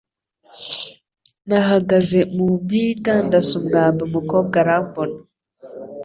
Nahagaze mu mpinga ndasa umwambi umukobwa arambona